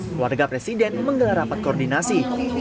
keluarga presiden menggelar rapat koordinasi